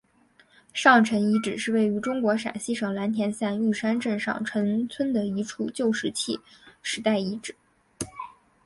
上陈遗址是位于中国陕西省蓝田县玉山镇上陈村的一处旧石器时代遗址。